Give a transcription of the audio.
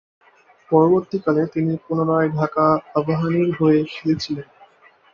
পরবর্তীকালে, তিনি পুনরায় ঢাকা আবাহনীর হয়ে খেলেছিলেন।